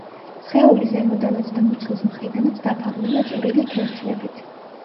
სხეული ზემოდანაც და მუცლის მხრიდანაც დაფარულია წვრილი ქერცლებით.